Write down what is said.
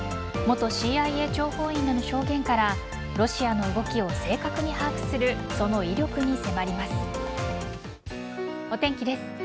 元ＣＩＡ諜報員らの証言からロシアの動きを正確に把握するその威力に迫ります。